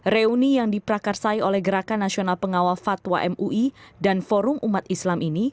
reuni yang diprakarsai oleh gerakan nasional pengawal fatwa mui dan forum umat islam ini